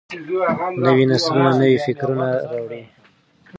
نوي نسلونه نوي فکرونه راوړي.